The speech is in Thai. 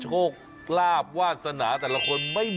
ใช่มั้ย